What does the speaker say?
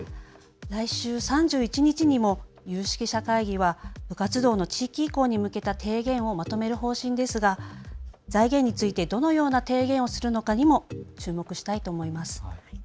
来週３１日にも有識者会議は部活動の地域移行に向けた提言をまとめる方針ですが財源についてどのような提言をするのかにも注目したいと思います。